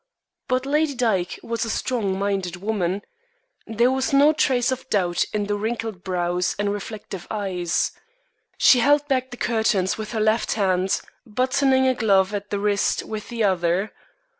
But Lady Dyke was a strong minded woman. There was no trace of doubt in the wrinkled brows and reflective eyes. She held back the curtains with her left hand, buttoning a glove at the wrist with the other.